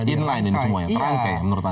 inline ini semuanya terangkai menurut anda